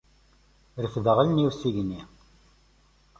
Refdeɣ allen-iw s igenni.